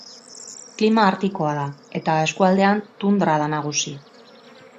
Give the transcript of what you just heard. Klima artikoa da eta eskualdean tundra da nagusi.